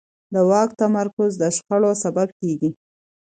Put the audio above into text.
د واک تمرکز د شخړو سبب کېږي